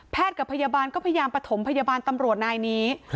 กับพยาบาลก็พยายามประถมพยาบาลตำรวจนายนี้